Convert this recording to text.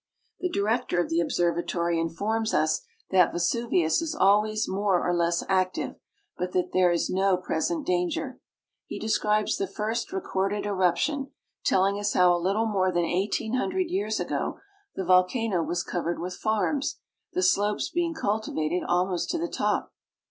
The director of the observatory informs us that Vesu vius is always more or less active, but that there is no present danger. He describes the first recorded eruption, telling us how a little more than eighteen hundred years ago the volcano was covered with farms, the slopes being cultivated almost to the top.